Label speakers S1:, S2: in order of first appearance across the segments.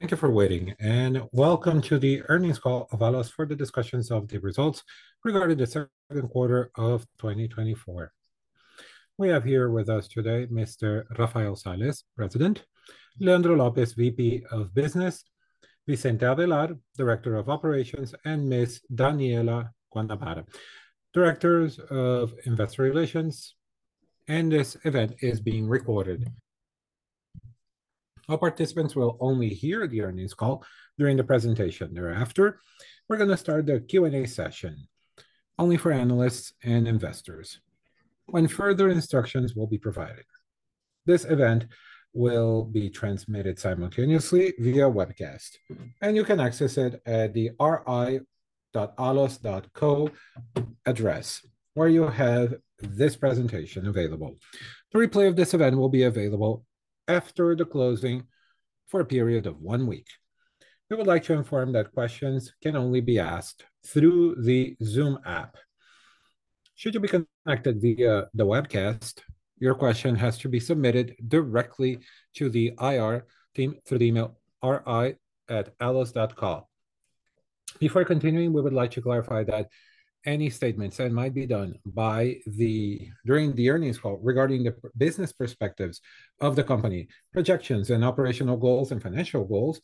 S1: Thank you for waiting, and welcome to the earnings call of Allos for the discussions of the results regarding the second quarter of 2024. We have here with us today Mr. Rafael Sales, President, Leandro Lopes, VP of Business, Vicente Avellar, Director of Operations, and Ms. Daniella Guanabara, Director of Investor Relations, and this event is being recorded. All participants will only hear the earnings call during the presentation. Thereafter, we're gonna start the Q&A session only for analysts and investors, when further instructions will be provided. This event will be transmitted simultaneously via webcast, and you can access it at the ri.allos.co address, where you have this presentation available. The replay of this event will be available after the closing for a period of one week. We would like to inform that questions can only be asked through the Zoom app. Should you be connected via the webcast, your question has to be submitted directly to the IR team through the email ri@allos.com. Before continuing, we would like to clarify that any statements that might be done during the earnings call regarding the business perspectives of the company, projections and operational goals and financial goals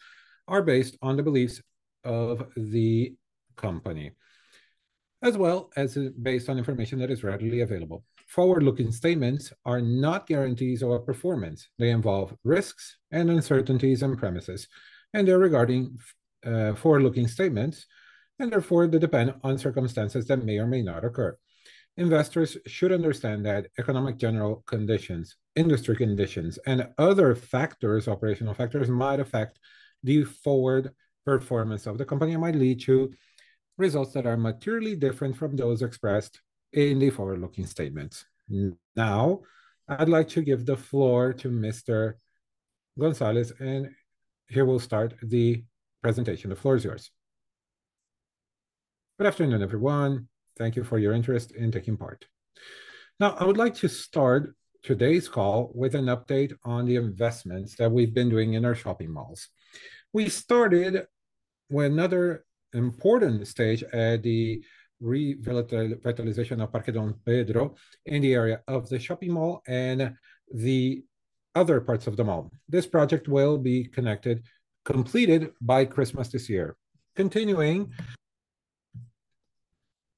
S1: are based on the beliefs of the company, as well as based on information that is readily available. Forward-looking statements are not guarantees of performance. They involve risks and uncertainties and premises, and they're regarding forward-looking statements, and therefore, they depend on circumstances that may or may not occur. Investors should understand that economic general conditions, industry conditions, and other factors, operational factors, might affect the forward performance of the company and might lead to results that are materially different from those expressed in the forward-looking statements. Now, I'd like to give the floor to Mr. Rafael Sales, and he will start the presentation. The floor is yours.
S2: Good afternoon, everyone. Thank you for your interest in taking part. Now, I would like to start today's call with an update on the investments that we've been doing in our shopping malls. We started with another important stage at the revitalization of Parque Dom Pedro in the area of the shopping mall and the other parts of the mall. This project will be completed by Christmas this year. Continuing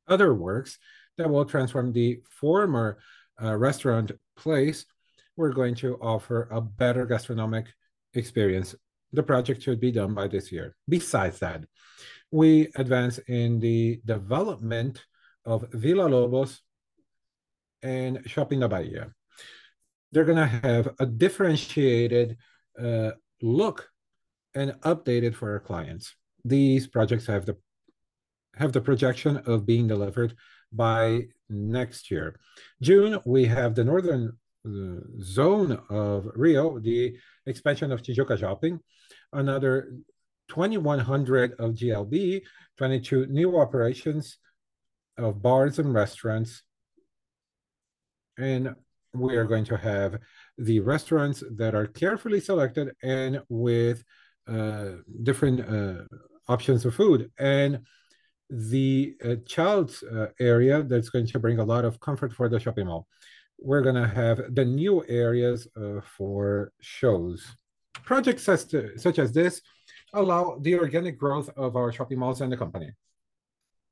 S2: other works that will transform the former restaurant place, we're going to offer a better gastronomic experience. The project should be done by this year. Besides that, we advance in the development of VillaLobos and Shopping da Bahia. They're gonna have a differentiated look and updated for our clients. These projects have the projection of being delivered by next year. June, we have the northern zone of Rio, the expansion of Shopping Tijuca, another 2,100 of GLA, 22 new operations of bars and restaurants, and we are going to have the restaurants that are carefully selected and with different options for food. And the child's area, that's going to bring a lot of comfort for the shopping mall. We're gonna have the new areas for shows. Projects such as this allow the organic growth of our shopping malls and the company.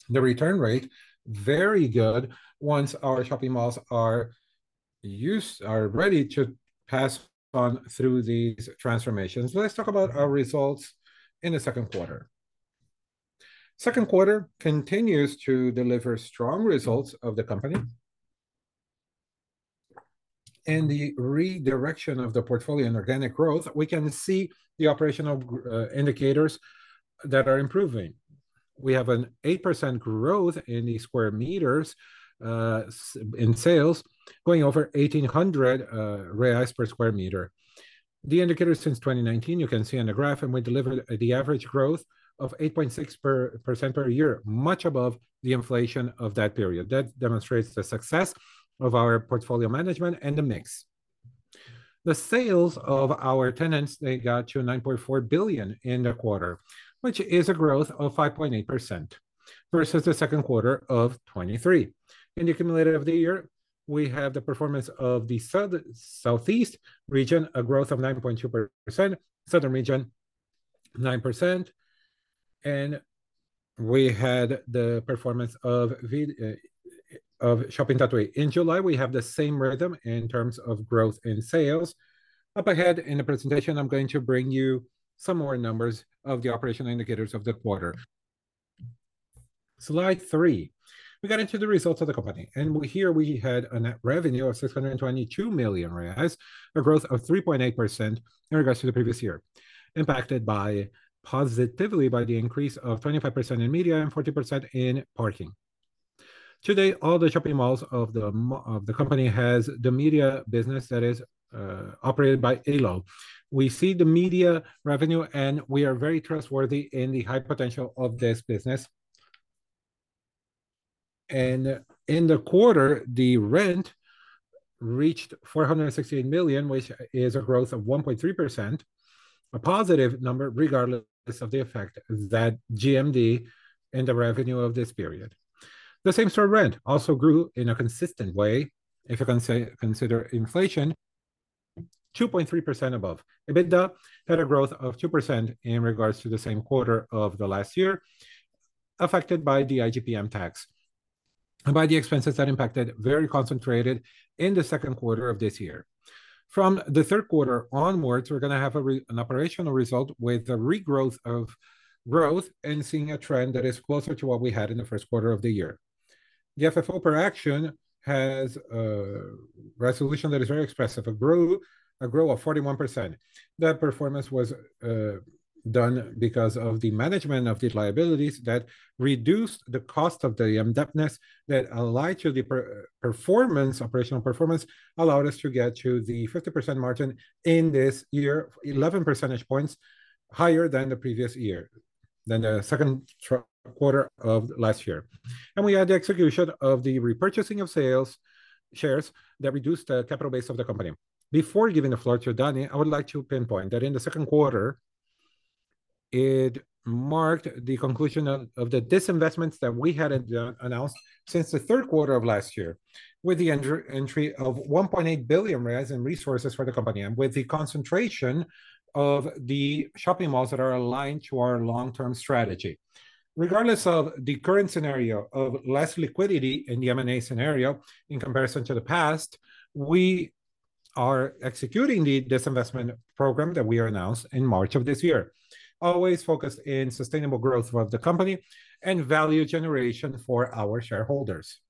S2: The return rate, very good, once our shopping malls are ready to pass on through these transformations. Let's talk about our results in the second quarter. Second quarter continues to deliver strong results of the company and the redirection of the portfolio and organic growth. We can see the operational indicators that are improving. We have an 8% growth in the square meters in sales, going over 1,800 reais per sqm. The indicators since 2019, you can see on the graph, and we delivered the average growth of 8.6% per year, much above the inflation of that period. That demonstrates the success of our portfolio management and the mix. The sales of our tenants, they got to 9.4 billion in the quarter, which is a growth of 5.8% versus the second quarter of 2023. In the cumulative of the year, we have the performance of the South, Southeast Region, a growth of 9.2%, South Region, 9%, and we had the performance of Shopping Catuaí. In July, we have the same rhythm in terms of growth in sales. Up ahead in the presentation, I'm going to bring you some more numbers of the operational indicators of the quarter. Slide three. We got into the results of the company, and here we had a net revenue of 622 million reais, a growth of 3.8% in regards to the previous year, impacted by, positively by the increase of 25% in media and 40% in parking. Today, all the shopping malls of the company has the media business that is operated by Helloo. We see the media revenue, and we are very trustworthy in the high potential of this business. And in the quarter, the rent reached 416 million, which is a growth of 1.3%, a positive number regardless of the effect that GMV and the revenue of this period. The same store rent also grew in a consistent way. If you can say, consider inflation, 2.3% above. EBITDA had a growth of 2% in regards to the same quarter of the last year, affected by the IGP-M tax and by the expenses that impacted, very concentrated in the second quarter of this year. From the third quarter onwards, we're gonna have an operational result with the regrowth of growth and seeing a trend that is closer to what we had in the first quarter of the year. The FFO per share has an evolution that is very expressive, a growth of 41%. That performance was done because of the management of these liabilities that reduced the cost of the debt that aligned to the performance, operational performance, allowed us to get to the 50% margin in this year, 11 percentage points higher than the previous year, than the second quarter of last year. We had the execution of the repurchasing of shares that reduced the capital base of the company. Before giving the floor to Dani, I would like to pinpoint that in the second quarter, it marked the conclusion of the disinvestments that we had announced since the third quarter of last year, with the entry of 1.8 billion reais in resources for the company and with the concentration of the shopping malls that are aligned to our long-term strategy. Regardless of the current scenario of less liquidity in the M&A scenario in comparison to the past, we are executing the disinvestment program that we announced in March of this year, always focused in sustainable growth of the company and value generation for our shareholders.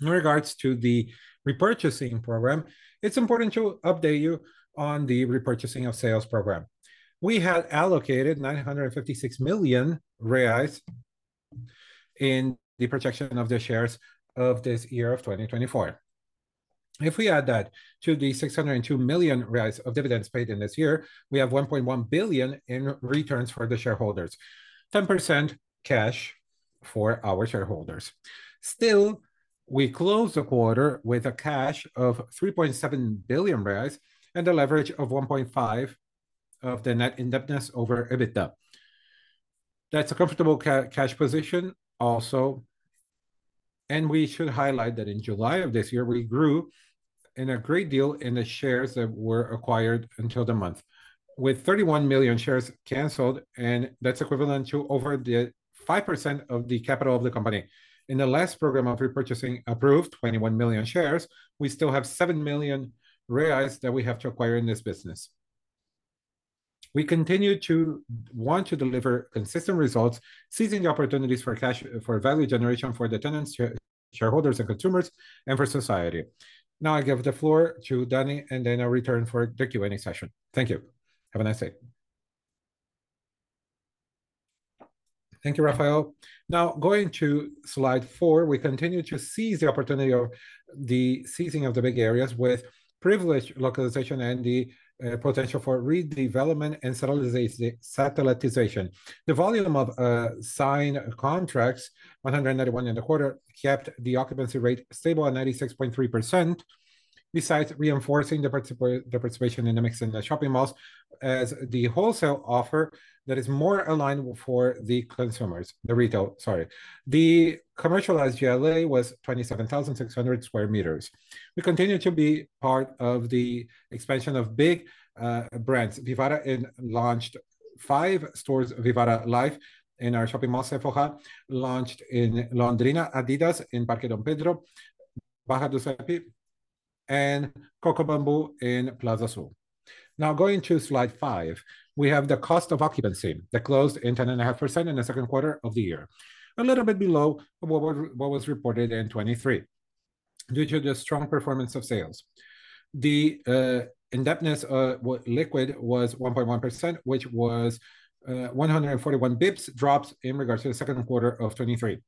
S2: In regards to the repurchasing program, it's important to update you on the repurchasing of shares program. We had allocated 956 million reais in the protection of the shares of this year of 2024. If we add that to the 602 million of dividends paid in this year, we have 1.1 billion in returns for the shareholders, 10% cash for our shareholders. Still, we closed the quarter with a cash of 3.7 billion reais and a leverage of 1.5 of the net indebtedness over EBITDA. That's a comfortable cash position also, and we should highlight that in July of this year, we grew in a great deal in the shares that were acquired until the month, with 31 million shares canceled, and that's equivalent to over the 5% of the capital of the company. In the last program of repurchasing approved, 21 million shares, we still have 7 million reais that we have to acquire in this business. We continue to want to deliver consistent results, seizing the opportunities for cash- for value generation, for the tenants, shareholders, and consumers, and for society. Now, I give the floor to Dani, and then I'll return for the Q&A session. Thank you. Have a nice day.
S3: Thank you, Rafael. Now, going to slide four, we continue to seize the opportunity of the seizing of the big areas with privileged localization and the potential for redevelopment and satellitization. The volume of signed contracts, 191 in the quarter, kept the occupancy rate stable at 96.3%, besides reinforcing the participation in the mix in the shopping malls as the wholesale offer that is more aligned for the consumers, the retail, sorry. The commercialized GLA was 27,600 sqm. We continue to be part of the expansion of big brands. Vivara launched 5 stores, Vivara Life, in our shopping mall. Sephora launched in Londrina, Adidas in Parque Dom Pedro, Barra da Tijuca, and Coco Bambu in Plaza Sul. Now, going to slide five, we have the cost of occupancy that closed in 10.5% in the second quarter of the year. A little bit below what was reported in 2023, due to the strong performance of sales. The indebtedness liquid was 1.1%, which was 141 basis points drops in regards to the second quarter of 2023.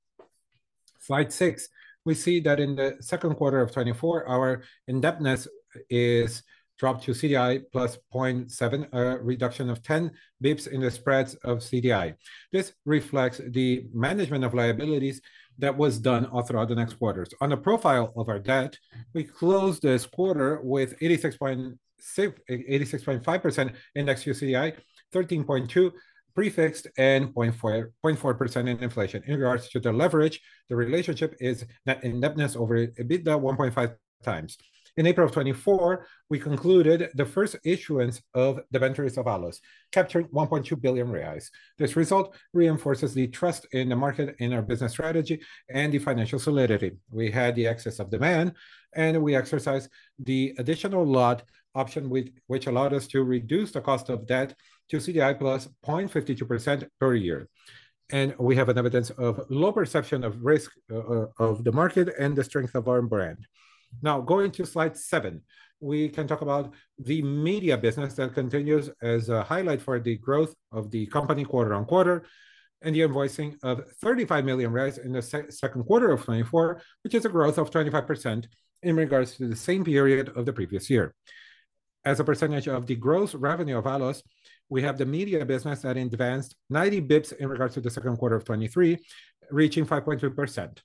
S3: Slide six, we see that in the second quarter of 2024, our indebtedness is dropped to CDI + 0.7, a reduction of 10 basis points in the spreads of CDI. This reflects the management of liabilities that was done all throughout the next quarters. On the profile of our debt, we closed this quarter with 86.5% indexed to CDI, 13.2% prefixed, and 0.4% in inflation. In regards to the leverage, the relationship is net indebtedness over EBITDA 1.5x. In April 2024, we concluded the first issuance of debentures de Allos, capturing 1.2 billion reais. This result reinforces the trust in the market, in our business strategy, and the financial solidity. We had the excess of demand, and we exercised the additional lot option which allowed us to reduce the cost of debt to CDI +0.52% per year, and we have an evidence of low perception of risk of the market and the strength of our brand. Now, going to slide 7, we can talk about the media business that continues as a highlight for the growth of the company quarter on quarter, and the invoicing of 35 million in the second quarter of 2024, which is a growth of 25% in regards to the same period of the previous year. As a percentage of the gross revenue of Allos, we have the media business that advanced 90 basis points in regards to the second quarter of 2023, reaching 5.3%.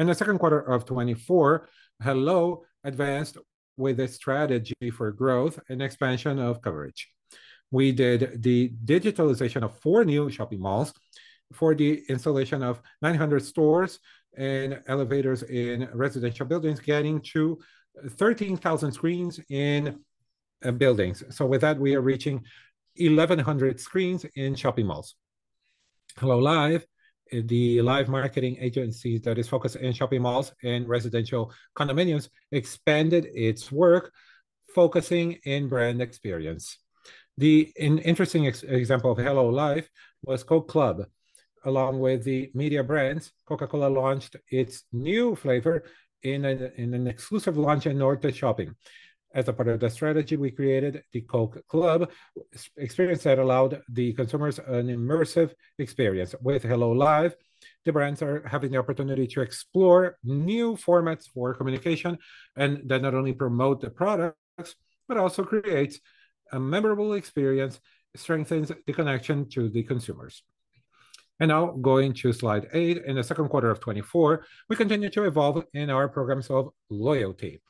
S3: In the second quarter of 2024, Helloo advanced with a strategy for growth and expansion of coverage. We did the digitalization of 4 new shopping malls for the installation of 900 stores and elevators in residential buildings, getting to 13,000 screens in buildings. So with that, we are reaching 1,100 screens in shopping malls. Helloo Live, the live marketing agency that is focused in shopping malls and residential condominiums, expanded its work, focusing in brand experience. The interesting example of Helloo Live was Coke Studio. Along with the media brands, Coca-Cola launched its new flavor in an exclusive launch in NorteShopping. As a part of the strategy, we created the Coke Studio experience that allowed the consumers an immersive experience. With Helloo Live, the brands are having the opportunity to explore new formats for communication, and that not only promote the products, but also creates a memorable experience, strengthens the connection to the consumers. And now, going to slide 8, in the second quarter of 2024, we continued to evolve in our programs of loyalty,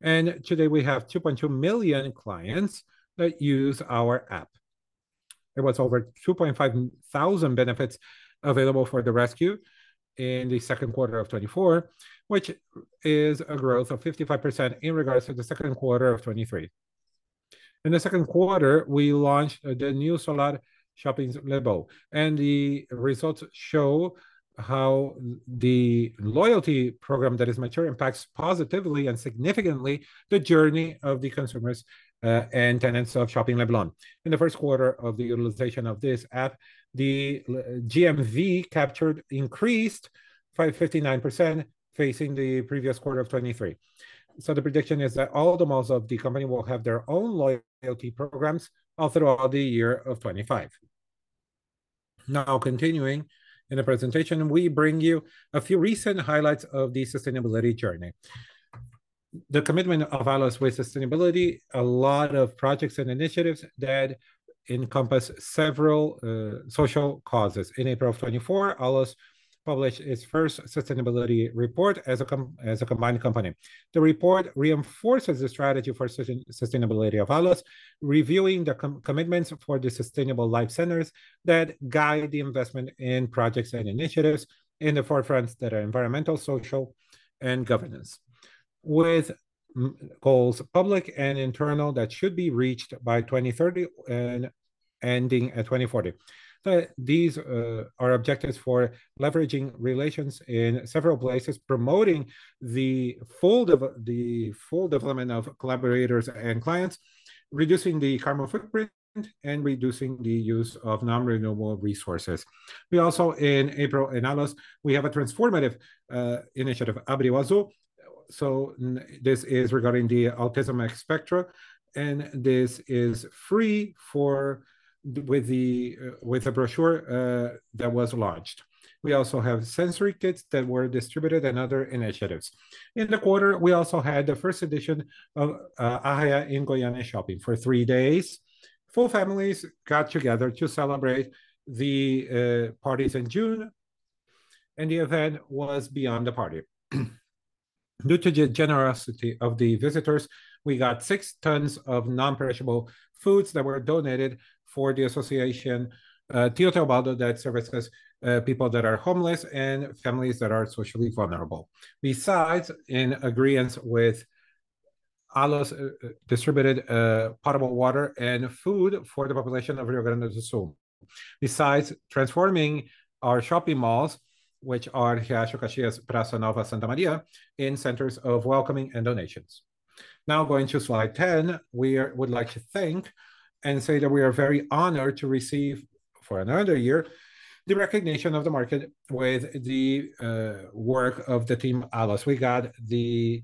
S3: and today we have 2.2 million clients that use our app. There was over 2,500 benefits available for the rescue in the second quarter of 2024, which is a growth of 55% in regards to the second quarter of 2023. In the second quarter, we launched the new Shopping Leblon, and the results show how the loyalty program that is material impacts positively and significantly the journey of the consumers and tenants of Shopping Leblon. In the first quarter of the utilization of this app, the GMV captured increased by 59% facing the previous quarter of 2023. So the prediction is that all the malls of the company will have their own loyalty programs all throughout the year of 2025. Now, continuing in the presentation, we bring you a few recent highlights of the sustainability journey. The commitment of Allos with sustainability, a lot of projects and initiatives that encompass several social causes. In April of 2024, Allos published its first sustainability report as a as a combined company. The report reinforces the strategy for sustainability of Allos, reviewing the commitments for the sustainable life centers that guide the investment in projects and initiatives in the forefronts that are environmental, social, and governance, with goals, public and internal, that should be reached by 2030 and ending at 2040. These are objectives for leveraging relations in several places, promoting the full development of collaborators and clients, reducing the carbon footprint, and reducing the use of non-renewable resources. We also, in April, in Allos, we have a transformative initiative, Abril Azul. This is regarding the autism spectrum, and this is free for with the brochure that was launched. We also have sensory kits that were distributed and other initiatives. In the quarter, we also had the first edition of Arraiá in Goiânia Shopping. For three days, four families got together to celebrate the parties in June, and the event was beyond the party. Due to the generosity of the visitors, we got 6 tons of non-perishable foods that were donated for the association Tio Cleobaldo that services people that are homeless and families that are socially vulnerable. Besides, in agreement with Allos, we distributed potable water and food for the population of Rio Grande do Sul. Besides transforming our shopping malls, which are Riachuelo, Caxias, Praça Nova Santa Maria, in centers of welcoming and donations. Now, going to slide 10, we would like to thank and say that we are very honored to receive, for another year, the recognition of the market with the work of the team Allos. We got the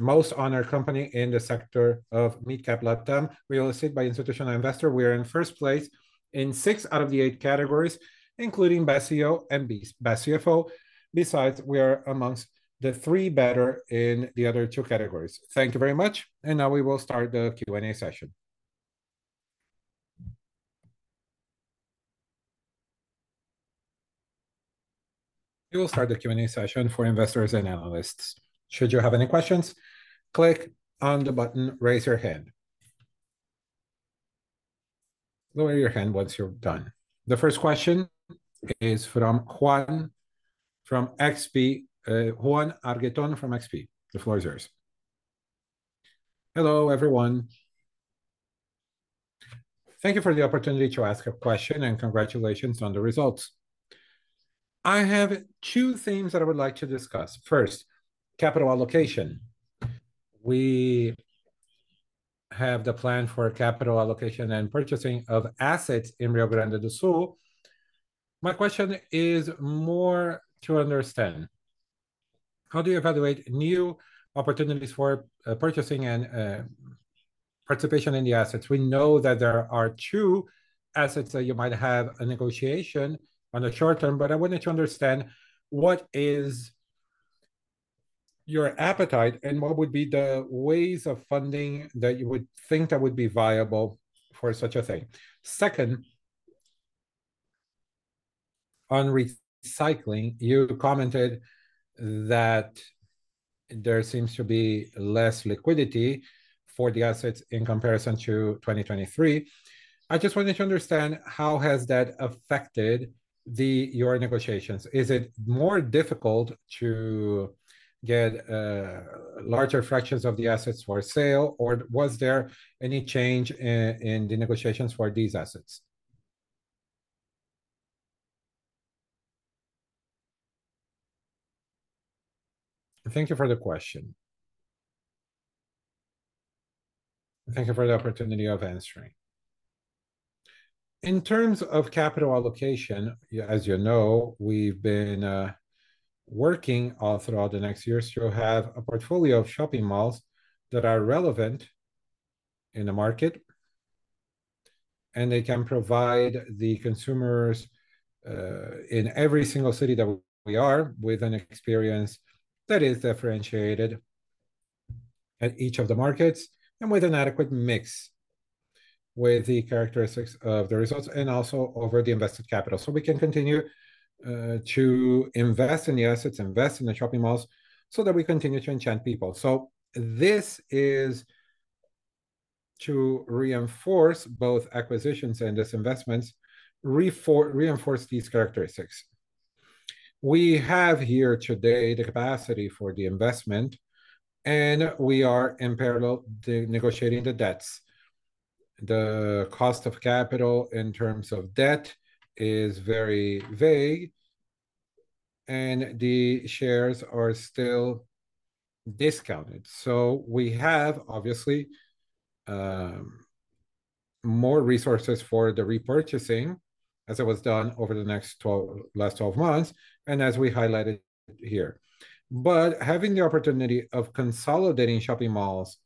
S3: most honored company in the sector of Mid Cap Latam Real Estate by Institutional Investor. We are in first place in six out of the eight categories, including Best CEO and Best CFO. Besides, we are amongst the three better in the other two categories. Thank you very much, and now we will start the Q&A session.
S1: We will start the Q&A session for investors and analysts. Should you have any questions, click on the button, Raise Your Hand. Lower your hand once you're done. The first question is from Ygor, from XP, Ygor Altero from XP. The floor is yours.
S4: Hello, everyone. Thank you for the opportunity to ask a question, and congratulations on the results. I have two things that I would like to discuss. First, capital allocation. We have the plan for capital allocation and purchasing of assets in Rio Grande do Sul. My question is more to understand how do you evaluate new opportunities for purchasing and participation in the assets? We know that there are two assets that you might have a negotiation on the short term, but I wanted to understand what is your appetite, and what would be the ways of funding that you would think that would be viable for such a thing? Second, on recycling, you commented that there seems to be less liquidity for the assets in comparison to 2023. I just wanted to understand how has that affected your negotiations? Is it more difficult to get larger fractions of the assets for sale, or was there any change in the negotiations for these assets?
S2: Thank you for the question. Thank you for the opportunity of answering. In terms of capital allocation, as you know, we've been working throughout the next years to have a portfolio of shopping malls that are relevant in the market, and they can provide the consumers in every single city that we are with an experience that is differentiated at each of the markets, and with an adequate mix with the characteristics of the results, and also over the invested capital. So we can continue to invest in the assets, invest in the shopping malls, so that we continue to enchant people. So this is to reinforce both acquisitions and disinvestments, reinforce these characteristics. We have here today the capacity for the investment, and we are in parallel to negotiating the debts. The cost of capital in terms of debt is very vague, and the shares are still discounted. So we have, obviously, more resources for the repurchasing, as it was done over the last 12 months, and as we highlighted here. But having the opportunity of consolidating shopping malls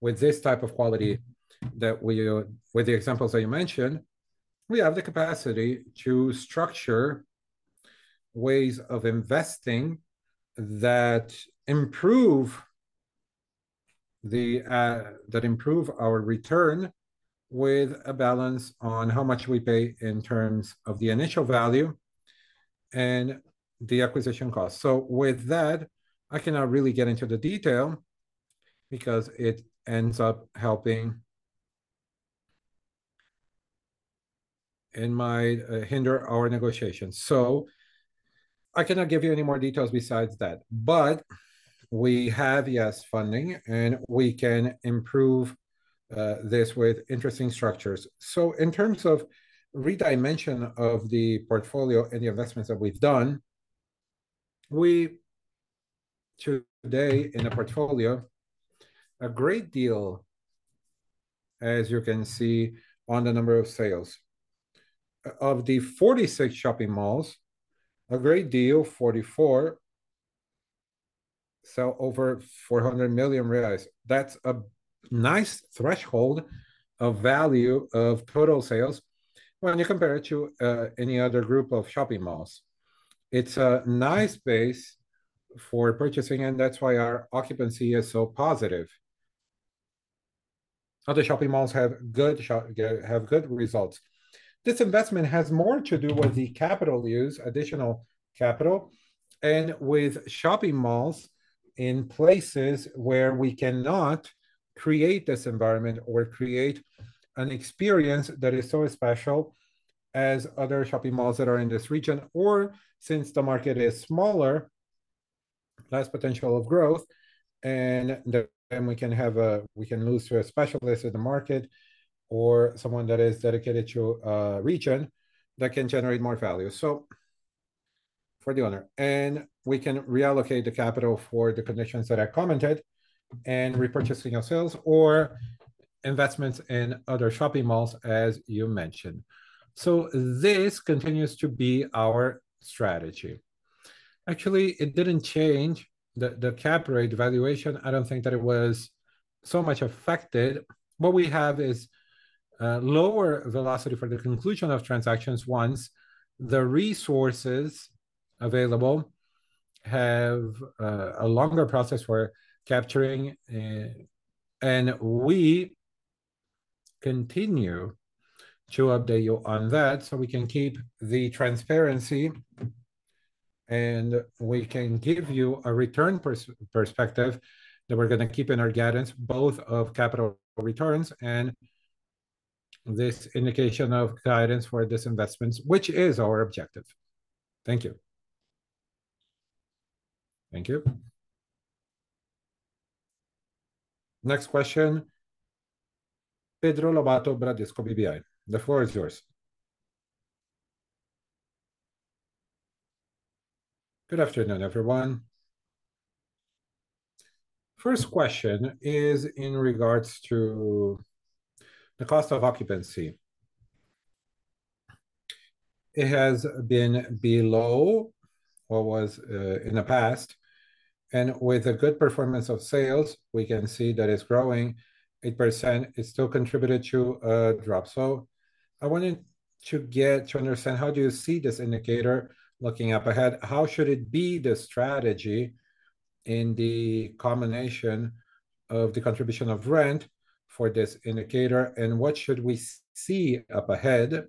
S2: with this type of quality that we... With the examples that you mentioned, we have the capacity to structure ways of investing that improve the, that improve our return with a balance on how much we pay in terms of the initial value and the acquisition cost. So with that, I cannot really get into the detail because it ends up helping... It might hinder our negotiations. So I cannot give you any more details besides that. But we have, yes, funding, and we can improve this with interesting structures. So in terms of redimension of the portfolio and the investments that we've done, we today in the portfolio, a great deal, as you can see, on the number of sales. Of the 46 shopping malls, a great deal, 44, sell over 400 million reais. That's a nice threshold of value of total sales when you compare it to any other group of shopping malls. It's a nice base for purchasing, and that's why our occupancy is so positive. Other shopping malls have good results. This investment has more to do with the capital use, additional capital, and with shopping malls in places where we cannot create this environment or create an experience that is so special as other shopping malls that are in this region, or since the market is smaller, less potential of growth, and then we can sell to a specialist in the market or someone that is dedicated to a region that can generate more value, so for the owner. We can reallocate the capital for the conditions that I commented, and repurchasing our shares or investments in other shopping malls, as you mentioned. This continues to be our strategy. Actually, it didn't change the cap rate valuation. I don't think that it was so much affected. What we have is, lower velocity for the conclusion of transactions once the resources available have, a longer process for capturing... We continue to update you on that, so we can keep the transparency, and we can give you a return pers- perspective that we're gonna keep in our guidance, both of capital returns and this indication of guidance for disinvestments, which is our objective. Thank you.
S4: Thank you.
S1: Next question, Pedro Lobato, Bradesco BBI, the floor is yours.
S5: Good afternoon, everyone. First question is in regards to the cost of occupancy. It has been below what was, in the past, and with a good performance of sales, we can see that it's growing. 8% is still contributed to a drop... I wanted to get to understand, how do you see this indicator looking up ahead? How should it be, the strategy in the combination of the contribution of rent for this indicator, and what should we see up ahead?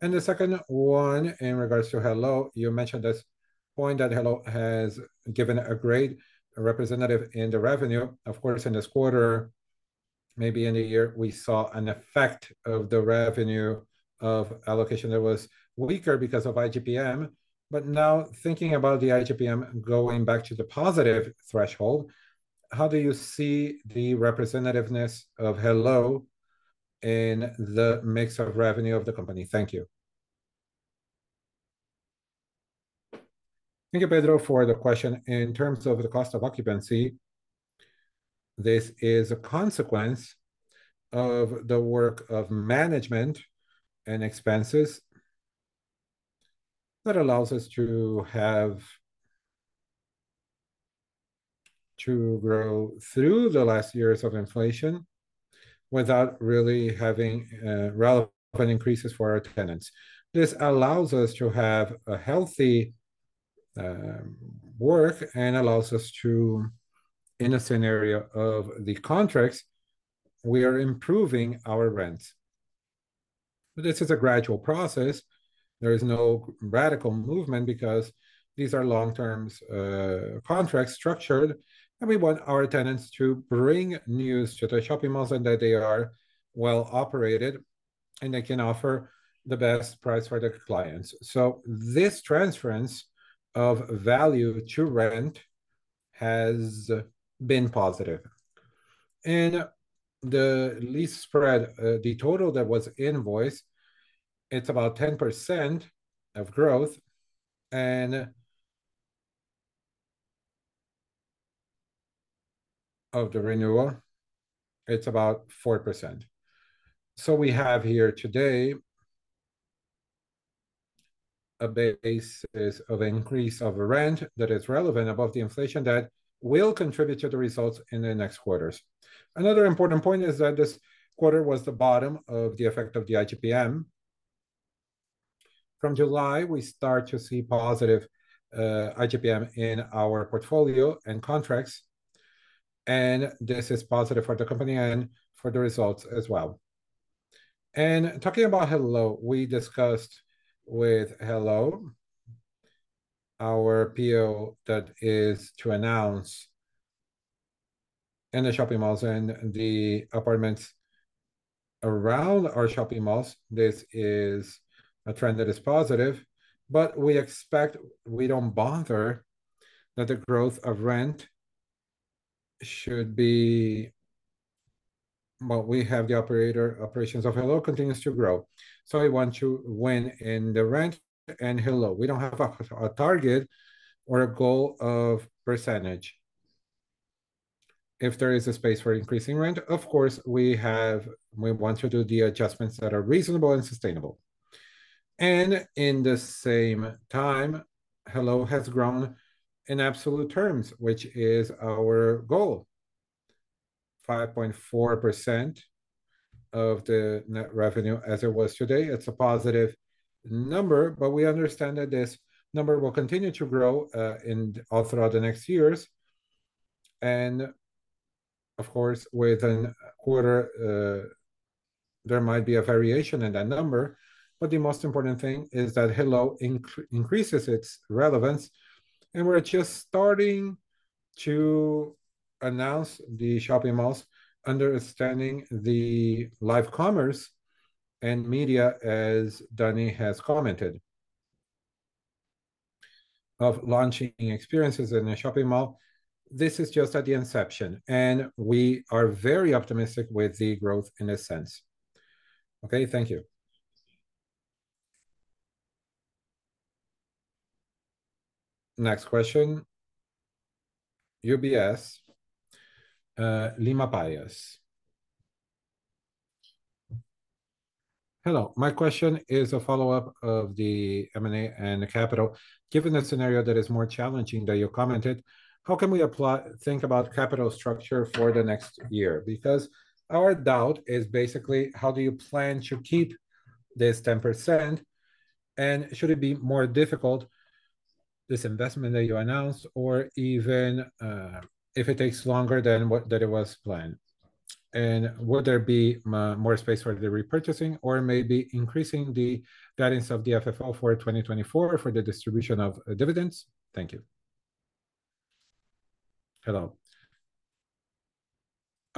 S5: And the second one, in regards to Hello, you mentioned this point that Hello has given a great representative in the revenue. Of course, in this quarter, maybe in the year, we saw an effect of the revenue of allocation that was weaker because of IGP-M. But now, thinking about the IGP-M going back to the positive threshold, how do you see the representativeness of Hello in the mix of revenue of the company? Thank you.
S2: Thank you, Pedro, for the question. In terms of the cost of occupancy, this is a consequence of the work of management and expenses that allows us to have to grow through the last years of inflation without really having relevant increases for our tenants. This allows us to have a healthy work, and allows us to, in a scenario of the contracts, we are improving our rents. This is a gradual process. There is no radical movement because these are long-term contracts structured, and we want our tenants to bring news to the shopping malls and that they are well-operated, and they can offer the best price for their clients. So this transference of value to rent has been positive. And the lease spread, the total that was invoiced, it's about 10% of growth, and of the renewal, it's about 4%. So we have here today a basis of increase of rent that is relevant above the inflation that will contribute to the results in the next quarters. Another important point is that this quarter was the bottom of the effect of the IGP-M. From July, we start to see positive IGP-M in our portfolio and contracts, and this is positive for the company and for the results as well. Talking about Hello, we discussed with Hello, our PO, that is to announce in the shopping malls and the apartments around our shopping malls; this is a trend that is positive, but we expect we don't bother that the growth of rent should be... Well, we have the operator- operations of Hello continues to grow, so I want to win in the rent and Hello. We don't have a target or a goal of percentage. If there is a space for increasing rent, of course, we have-- we want to do the adjustments that are reasonable and sustainable. In the same time, Hello has grown in absolute terms, which is our goal, 5.4% of the net revenue as it was today. It's a positive number, but we understand that this number will continue to grow, in all throughout the next years. And of course, with a quarter, there might be a variation in that number, but the most important thing is that Hello increases its relevance, and we're just starting to announce the shopping malls, understanding the live commerce and media, as Danny has commented, of launching experiences in a shopping mall. This is just at the inception, and we are very optimistic with the growth in a sense. Okay, thank you.
S1: Next question, UBS, Guilherme Grespan.
S6: Hello, my question is a follow-up of the M&A and the capital. Given the scenario that is more challenging that you commented, how can we apply-- think about capital structure for the next year? Because our doubt is basically how do you plan to keep this 10%, and should it be more difficult, this investment that you announced, or even, if it takes longer than what-- than it was planned? And would there be more space for the repurchasing or maybe increasing the guidance of the FFO for 2024 for the distribution of dividends? Thank you.
S2: Hello.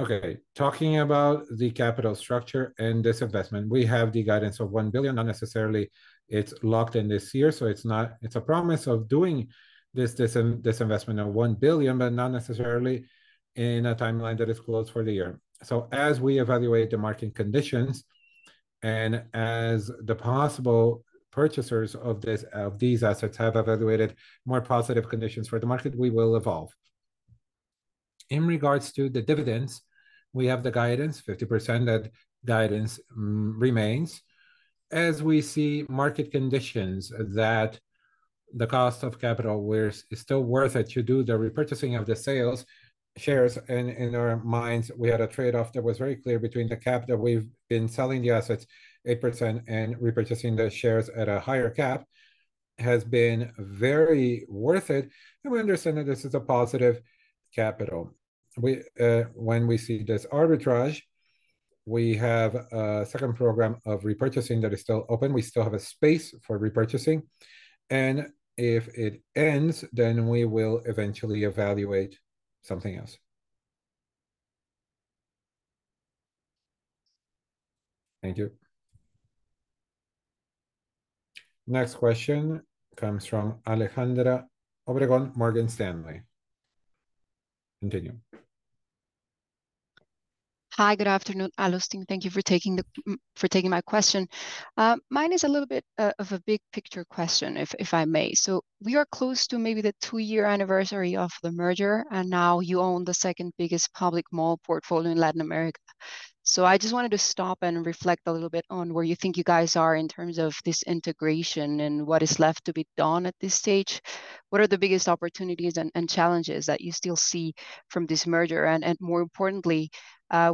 S2: Okay, talking about the capital structure and this investment, we have the guidance of 1 billion. Not necessarily it's locked in this year, so it's not-- it's a promise of doing this, this investment of 1 billion, but not necessarily in a timeline that is closed for the year. So as we evaluate the market conditions, and as the possible purchasers of this, of these assets have evaluated more positive conditions for the market, we will evolve. In regards to the dividends, we have the guidance, 50%, that guidance remains. As we see market conditions, the cost of capital, where it's still worth it to do the repurchasing of the Allos shares. And in our minds, we had a trade-off that was very clear between the cap that we've been selling the assets, 8%, and repurchasing the shares at a higher cap, has been very worth it, and we understand that this is a positive capital. When we see this arbitrage, we have a second program of repurchasing that is still open. We still have a space for repurchasing, and if it ends, then we will eventually evaluate something else. Thank you.
S1: Next question comes from Alejandra Obregon, Morgan Stanley. Continue.
S7: Hi, good afternoon, Allos. Thank you for taking my question. Mine is a little bit of a big picture question, if I may. So we are close to maybe the two-year anniversary of the merger, and now you own the second biggest public mall portfolio in Latin America. So I just wanted to stop and reflect a little bit on where you think you guys are in terms of this integration, and what is left to be done at this stage. What are the biggest opportunities and challenges that you still see from this merger? And more importantly,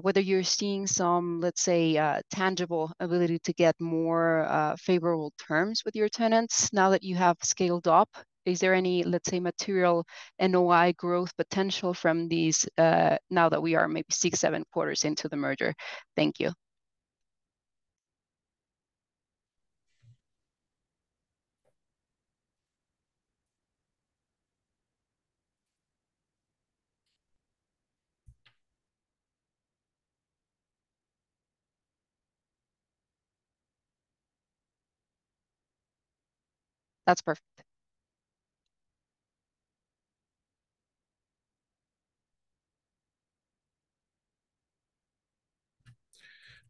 S7: whether you're seeing some, let's say, tangible ability to get more favorable terms with your tenants now that you have scaled up. Is there any, let's say, material NOI growth potential from these, now that we are maybe six, seven quarters into the merger? Thank you. That's perfect.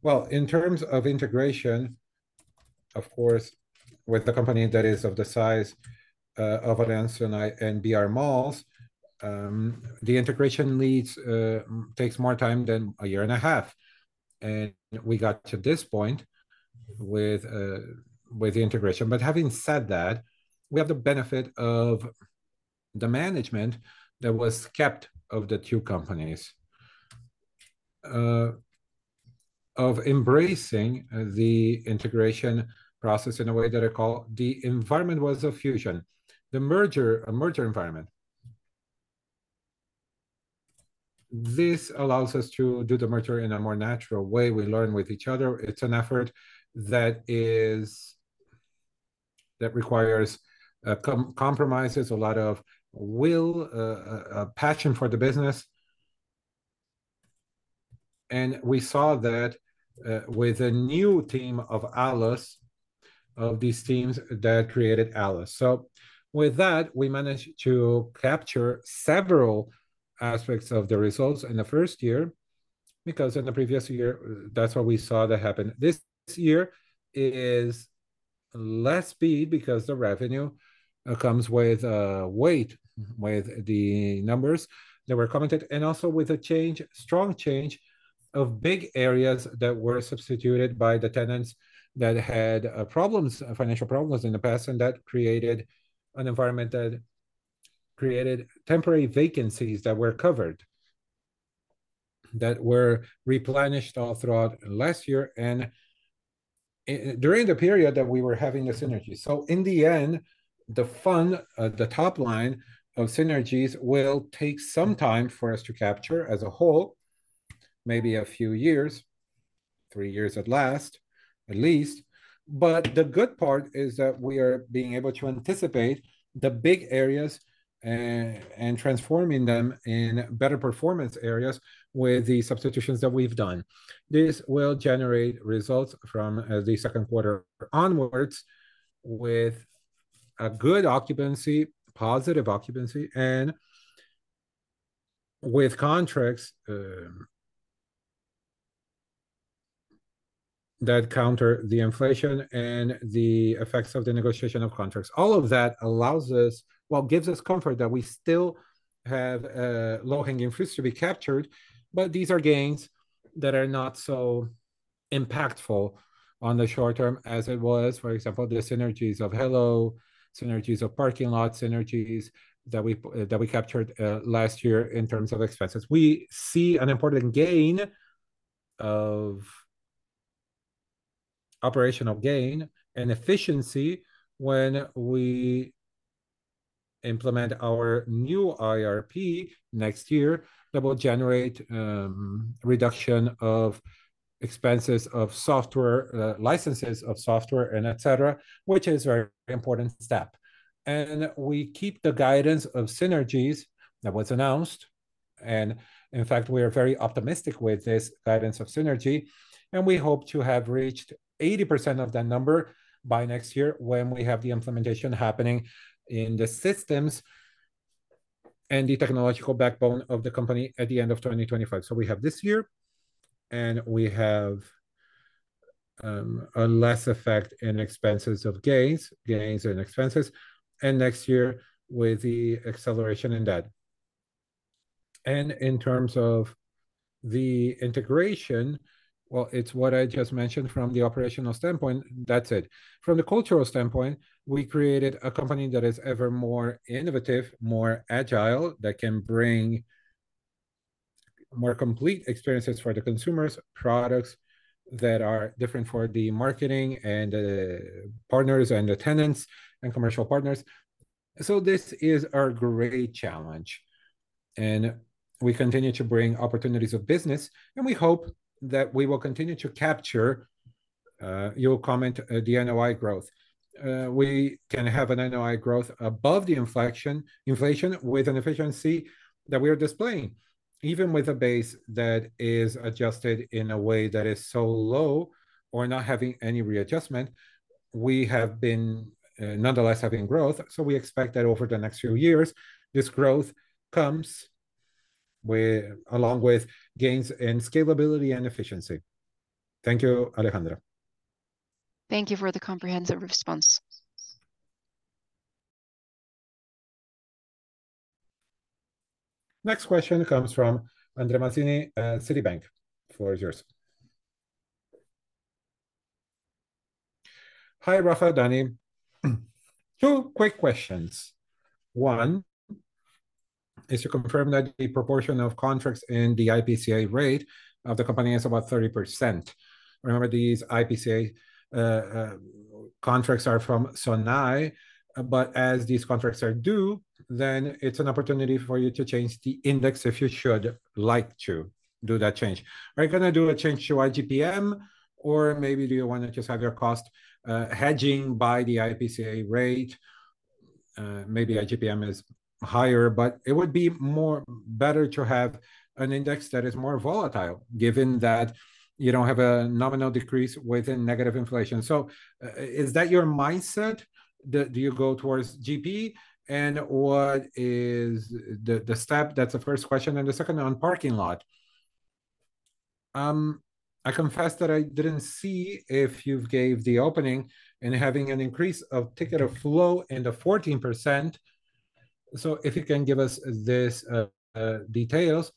S2: Well, in terms of integration, of course, with a company that is of the size of Aliansce Sonae and brMalls, the integration takes more time than a year and a half, and we got to this point with the integration. But having said that, we have the benefit of the management that was kept of the two companies of embracing the integration process in a way that I call... The environment was a fusion, the merger, a merger environment. This allows us to do the merger in a more natural way. We learn with each other. It's an effort that requires compromises, a lot of will, a passion for the business, and we saw that with a new team of Allos, of these teams that created Allos. So with that, we managed to capture several aspects of the results in the first year, because in the previous year, that's what we saw that happen. This year is less speed because the revenue comes with weight, with the numbers that were commented, and also with a change, strong change of big areas that were substituted by the tenants that had problems, financial problems in the past, and that created an environment that created temporary vacancies that were covered, that were replenished all throughout last year and during the period that we were having the synergy. So in the end, the top line of synergies will take some time for us to capture as a whole, maybe a few years, three years at least. But the good part is that we are being able to anticipate the big areas and transforming them in better performance areas with the substitutions that we've done. This will generate results from the second quarter onwards with a good occupancy, positive occupancy, and with contracts that counter the inflation and the effects of the negotiation of contracts. All of that allows us... well, it gives us comfort that we still have low-hanging fruits to be captured, but these are gains that are not so impactful on the short term as it was, for example, the synergies of Hello, synergies of parking lot, synergies that we that we captured last year in terms of expenses. We see an important gain operational gain and efficiency when we implement our new IRP next year, that will generate reduction of expenses of software licenses of software and etc., which is a very important step. And we keep the guidance of synergies that was announced, and in fact, we are very optimistic with this guidance of synergy, and we hope to have reached 80% of that number by next year when we have the implementation happening in the systems and the technological backbone of the company at the end of 2025. So we have this year, and we have a less effect in expenses of gains, gains and expenses, and next year, with the acceleration in that, and in terms of the integration, well, it's what I just mentioned from the operational standpoint, that's it. From the cultural standpoint, we created a company that is ever more innovative, more agile, that can bring more complete experiences for the consumers, products that are different for the marketing and, partners and the tenants and commercial partners. So this is our great challenge, and we continue to bring opportunities of business, and we hope that we will continue to capture, your comment, the NOI growth. We can have an NOI growth above the inflation with an efficiency that we are displaying. Even with a base that is adjusted in a way that is so low or not having any readjustment, we have been, nonetheless, having growth, so we expect that over the next few years, this growth comes along with gains in scalability and efficiency. Thank you, Alejandra.
S7: Thank you for the comprehensive response.
S1: Next question comes from André Mazini at Citibank. The floor is yours.
S8: Hi, Rafael, Dani. Two quick questions. One, is to confirm that the proportion of contracts in the IPCA rate of the company is about 30%. Remember, these IPCA contracts are from Sonae, but as these contracts are due, then it's an opportunity for you to change the index if you should like to do that change. Are you gonna do a change to IGP-M, or maybe do you wanna just have your cost hedging by the IPCA rate? Maybe IGP-M is higher, but it would be more better to have an index that is more volatile, given that you don't have a nominal decrease within negative inflation. So, is that your mindset? Do you go towards IGP-M, and what is the step? That's the first question, and the second on parking lot. I confess that I didn't see if you've gave the opening in having an increase of ticket of flow in the 14%. So if you can give us this details,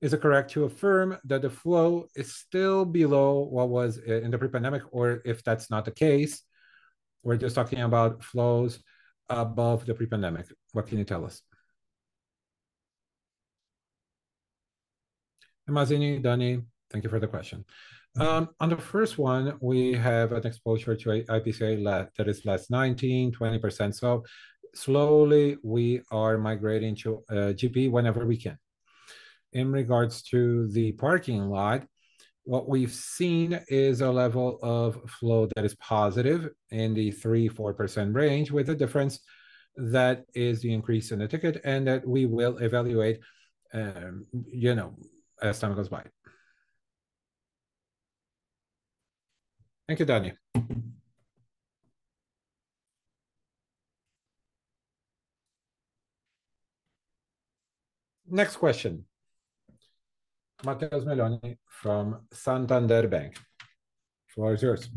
S8: is it correct to affirm that the flow is still below what was in the pre-pandemic, or if that's not the case, we're just talking about flows above the pre-pandemic. What can you tell us?
S3: André Mazini, Dani, thank you for the question. On the first one, we have an exposure to a IPCA le- that is less 19%-20%, so slowly we are migrating to GP whenever we can. In regards to the parking lot, what we've seen is a level of flow that is positive in the 3-4% range, with a difference that is the increase in the ticket, and that we will evaluate, you know, as time goes by.
S8: Thank you, Dani.
S1: Next question. Matheus Meloni from Santander Bank. The floor is yours.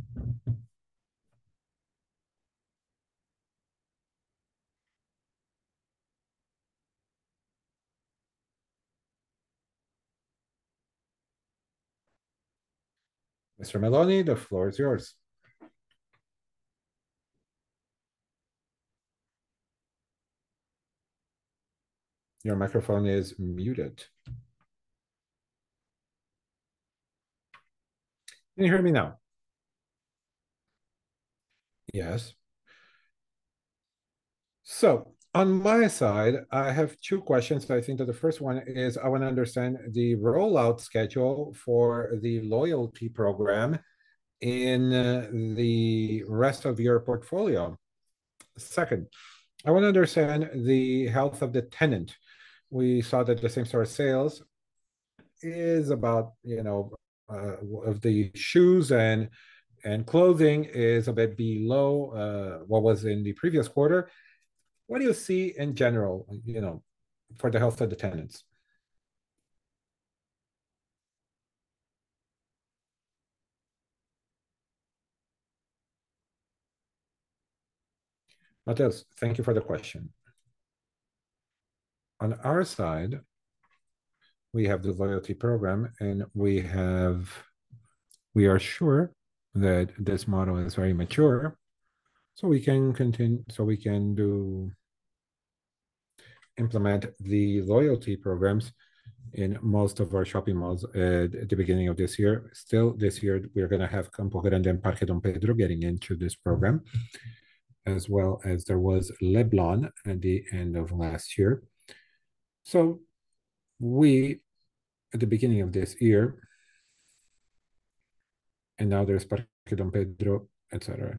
S1: Mr. Meloni, the floor is yours. Your microphone is muted.
S9: Can you hear me now? Yes. So on my side, I have two questions, but I think that the first one is I wanna understand the rollout schedule for the loyalty program in the rest of your portfolio. Second, I wanna understand the health of the tenant. We saw that the same store sales is about, you know, of the shoes and clothing is a bit below what was in the previous quarter. What do you see in general, you know, for the health of the tenants?
S3: Matheus, thank you for the question. On our side, we have the loyalty program, and we have... We are sure that this model is very mature, so we can implement the loyalty programs in most of our shopping malls at the beginning of this year. Still, this year, we are gonna have Campo Grande and Parque Dom Pedro getting into this program, as well as there was Leblon at the end of last year. So we, at the beginning of this year, and now there's Parque Dom Pedro, et cetera.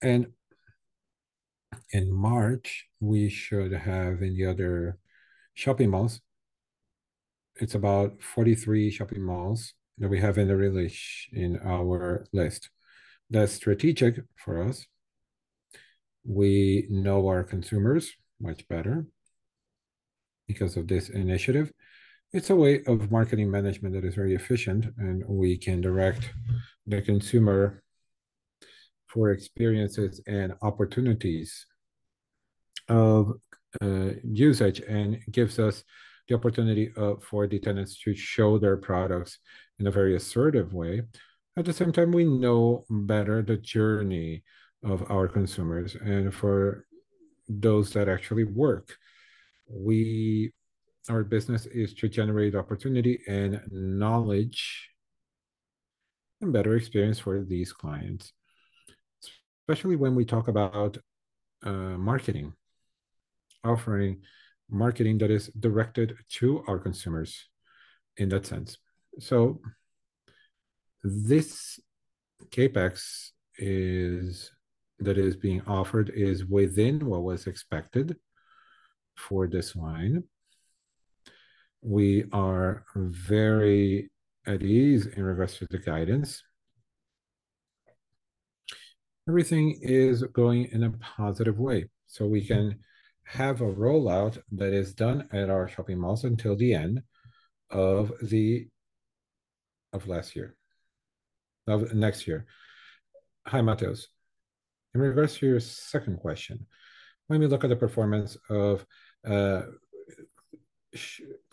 S3: And in March, we should have in the other shopping malls, it's about 43 shopping malls that we have in the release in our list. That's strategic for us. We know our consumers much better because of this initiative. It's a way of marketing management that is very efficient, and we can direct the consumer for experiences and opportunities of usage, and gives us the opportunity for the tenants to show their products in a very assertive way. At the same time, we know better the journey of our consumers and for those that actually work. Our business is to generate opportunity and knowledge, and better experience for these clients, especially when we talk about marketing. Offering marketing that is directed to our consumers in that sense. So this CapEx that is being offered is within what was expected for this line. We are very at ease in regards to the guidance. Everything is going in a positive way, so we can have a rollout that is done at our shopping malls until the end of last year of next year.
S2: Hi, Matheus. In regards to your second question, when we look at the performance of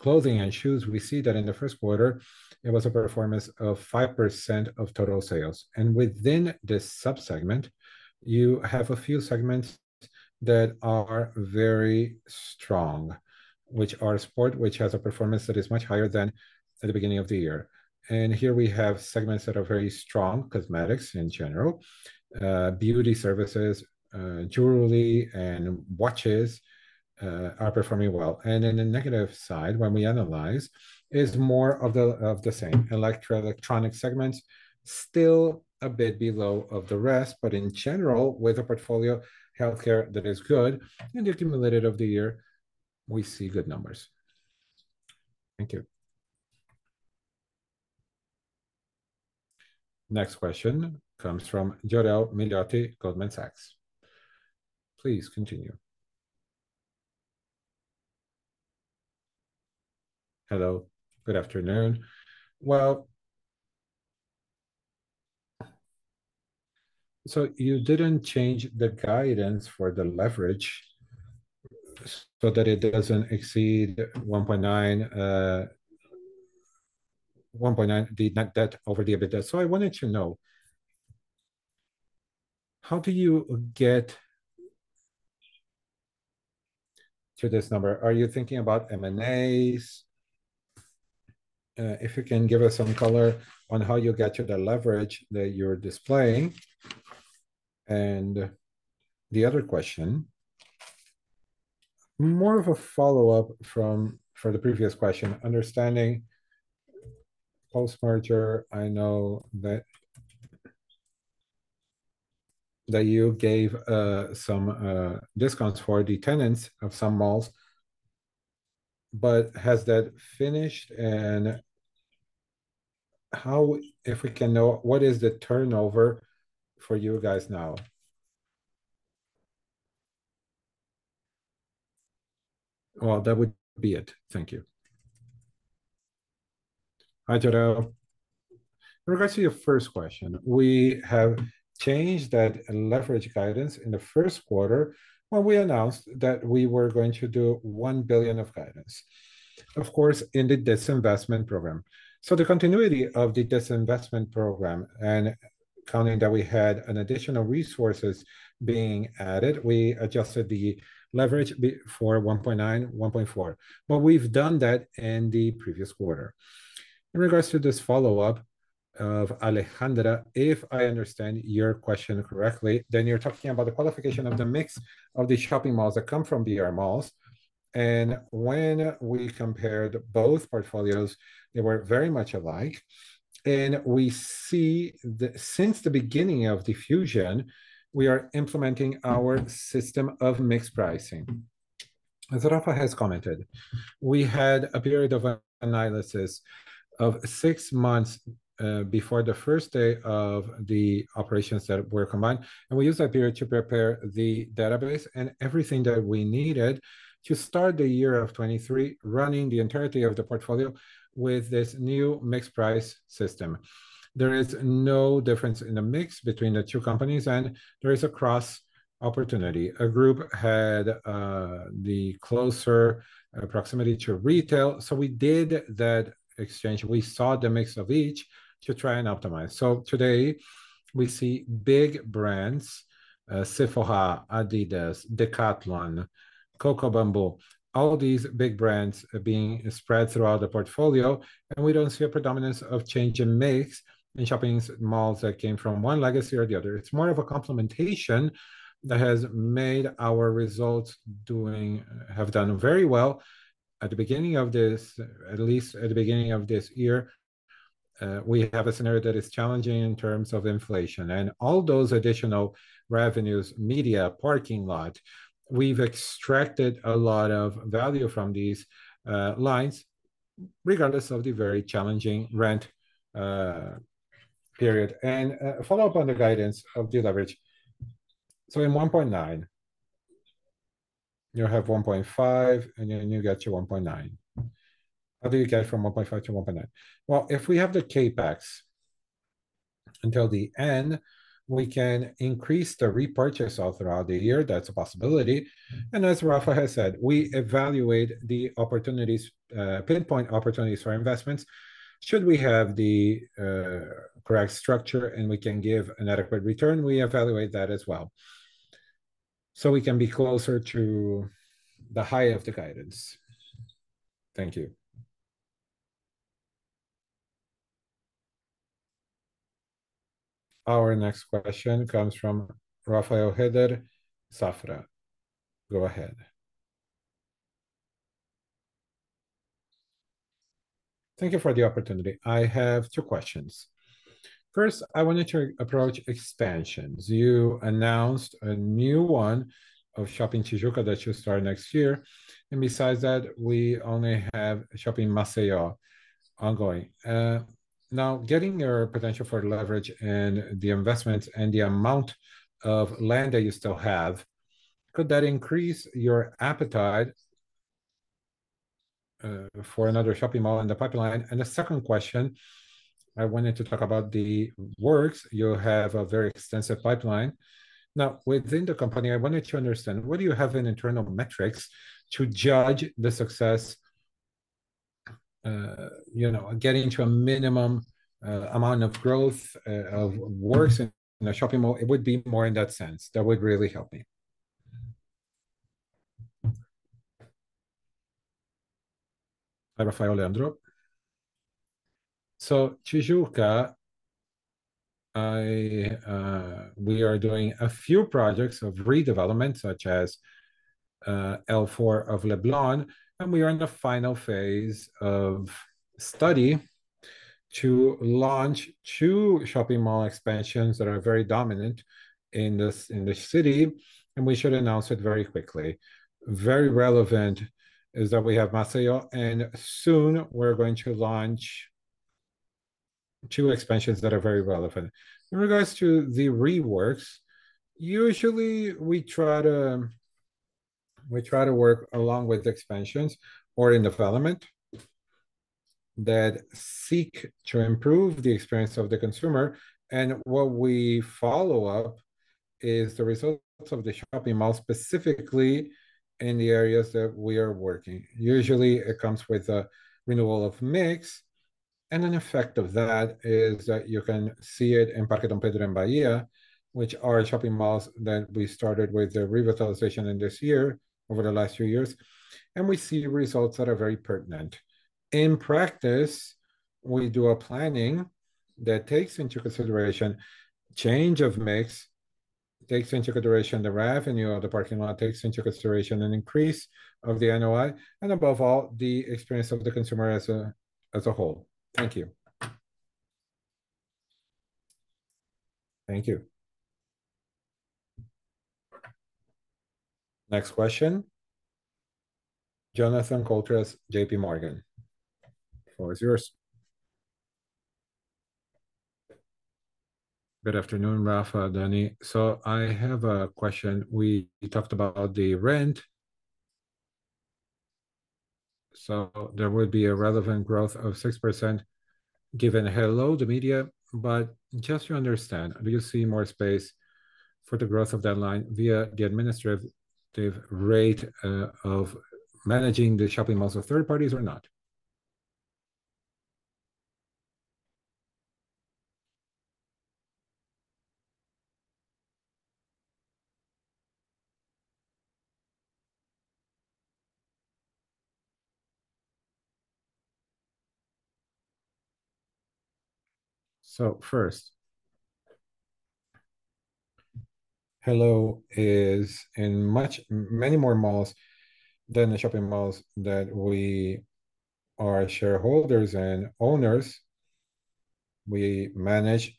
S2: clothing and shoes, we see that in the first quarter, it was a performance of 5% of total sales, and within this sub-segment, you have a few segments that are very strong, which are sport, which has a performance that is much higher than at the beginning of the year. And here we have segments that are very strong, cosmetics in general, beauty services, jewelry and watches, are performing well. And in the negative side, when we analyze, is more of the, of the same. Electro, electronic segments, still a bit below of the rest, but in general, with a portfolio healthcare that is good, in the cumulative of the year, we see good numbers.
S9: Thank you.
S1: Next question comes from Jorel Guilloty, Goldman Sachs. Please continue.
S10: Hello, good afternoon. Well, so you didn't change the guidance for the leverage so that it doesn't exceed 1.9, 1.9 the net debt over the EBITDA. So I wanted to know, how do you get to this number? Are you thinking about M&As? If you can give us some color on how you get to the leverage that you're displaying. And the other question, more of a follow-up from the previous question, understanding post-merger, I know that you gave some discounts for the tenants of some malls, but has that finished? And how... If we can know, what is the turnover for you guys now? Well, that would be it. Thank you.
S2: Hi, Jorel. In regards to your first question, we have changed that leverage guidance in the first quarter when we announced that we were going to do 1 billion of guidance, of course, in the disinvestment program. So the continuity of the disinvestment program, and counting that we had additional resources being added, we adjusted the leverage for 1.9, 1.4, but we've done that in the previous quarter. In regards to this follow-up of Alejandra, if I understand your question correctly, then you're talking about the qualification of the mix of the shopping malls that come from brMalls. And when we compared both portfolios, they were very much alike, and we see the... Since the beginning of the fusion, we are implementing our system of mixed pricing.
S3: As Rafa has commented, we had a period of analysis of six months before the first day of the operations that were combined, and we used that period to prepare the database and everything that we needed to start the year of 2023, running the entirety of the portfolio with this new mixed price system. There is no difference in the mix between the two companies, and there is a cross opportunity. A group had the closer proximity to retail, so we did that exchange. We saw the mix of each to try and optimize. So today, we see big brands, Sephora, Adidas, Decathlon, Coco Bambu, all these big brands being spread throughout the portfolio, and we don't see a predominance of change in mix in shopping malls that came from one legacy or the other. It's more of a complementation that has made our results doing... have done very well. At the beginning of this, at least at the beginning of this year, we have a scenario that is challenging in terms of inflation. And all those additional revenues, media, parking lot, we've extracted a lot of value from these lines, regardless of the very challenging rent period. And, a follow-up on the guidance of the leverage. So in 1.9... You have 1.5, and then you get to 1.9. How do you get from 1.5 to 1.9? Well, if we have the CapEx until the end, we can increase the repurchase all throughout the year. That's a possibility. And as Rafa has said, we evaluate the opportunities, pinpoint opportunities for investments. Should we have the correct structure, and we can give an adequate return, we evaluate that as well. So we can be closer to the high of the guidance.
S10: Thank you.
S1: Our next question comes from Rafael Rehder, Safra. Go ahead.
S11: Thank you for the opportunity. I have two questions. First, I wanted to approach expansions. You announced a new one of Shopping Tijuca that should start next year, and besides that, we only have Shopping Maceió ongoing. Now, getting your potential for leverage and the investment and the amount of land that you still have, could that increase your appetite for another shopping mall in the pipeline? And the second question, I wanted to talk about the works. You have a very extensive pipeline. Now, within the company, I wanted to understand, what do you have in internal metrics to judge the success, you know, getting to a minimum amount of growth of works in a shopping mall?
S1: It would be more in that sense. That would really help me.
S12: Hi, Rafael, Leandro. So Tijuca, we are doing a few projects of redevelopment, such as L4 of Leblon, and we are in the final phase of study to launch two shopping mall expansions that are very dominant in this, in this city, and we should announce it very quickly. Very relevant is that we have Maceió, and soon we're going to launch two expansions that are very relevant. In regards to the reworks, usually we try to work along with expansions or in development that seek to improve the experience of the consumer, and what we follow up is the results of the shopping mall, specifically in the areas that we are working. Usually, it comes with a renewal of mix, and an effect of that is that you can see it in Parque Dom Pedro and Shopping da Bahia, which are shopping malls that we started with the revitalization in this year, over the last few years, and we see results that are very pertinent. In practice, we do a planning that takes into consideration change of mix, takes into consideration the revenue of the parking lot, takes into consideration an increase of the NOI, and above all, the experience of the consumer as a, as a whole. Thank you.
S11: Thank you.
S1: Next question, Jonathan Koutras, JPMorgan. The floor is yours.
S13: Good afternoon, Rafa, Dani. So I have a question. We talked about the rent, so there would be a relevant growth of 6%, given Helloo, the media. But just to understand, do you see more space for the growth of that line via the administrative rate of managing the shopping malls of third parties or not?
S2: So first, Hello is in many more malls than the shopping malls that we are shareholders and owners. We manage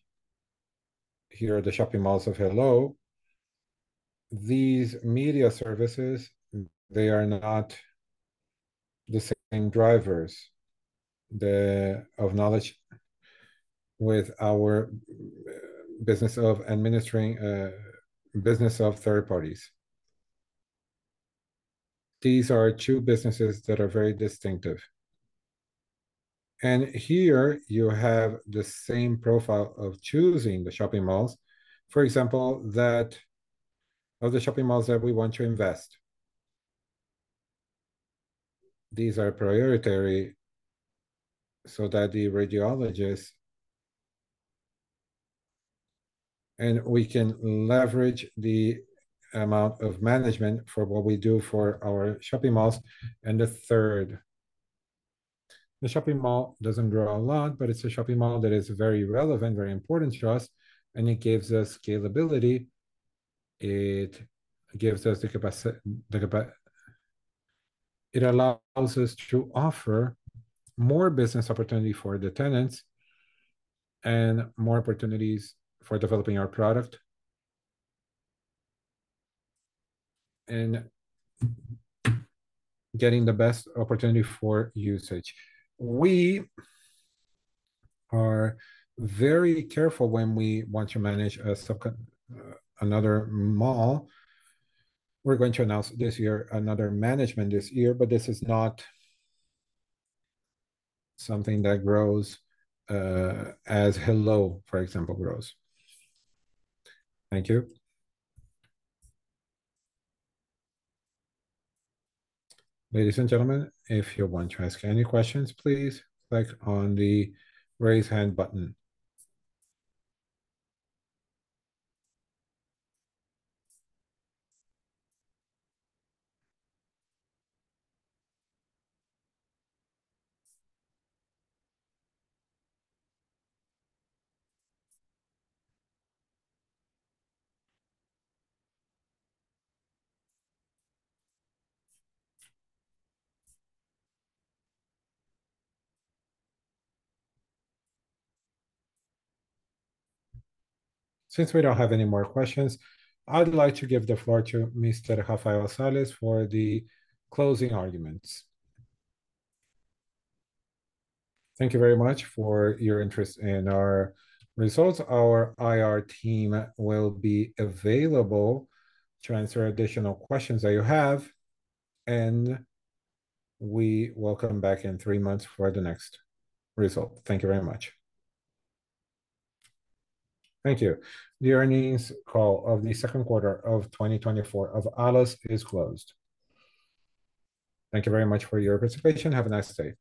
S2: here the shopping malls of Hello. These media services, they are not the same drivers of knowledge with our business of administering a business of third parties. These are two businesses that are very distinctive. Here, you have the same profile of choosing the shopping malls, for example, that are the shopping malls that we want to invest. These are priority so that the radiologists... We can leverage the amount of management for what we do for our shopping malls. And the third, the shopping mall doesn't grow a lot, but it's a shopping mall that is very relevant, very important to us, and it gives us scalability. It gives us the capacity. It allows us to offer more business opportunity for the tenants and more opportunities for developing our product and getting the best opportunity for usage. We are very careful when we want to manage a second, another mall. We're going to announce this year, another management this year, but this is not something that grows, as Helloo, for example, grows.
S13: Thank you.
S1: Ladies and gentlemen, if you want to ask any questions, please click on the raise hand button. Since we don't have any more questions, I'd like to give the floor to Mr. Rafael Sales for the closing arguments.
S2: Thank you very much for your interest in our results. Our IR team will be available to answer additional questions that you have, and we welcome back in three months for the next result. Thank you very much.
S1: Thank you. The earnings call of the second quarter of 2024 of Allos is closed. Thank you very much for your participation. Have a nice day.